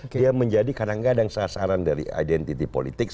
dia menjadi kadang kadang sasaran dari identity politik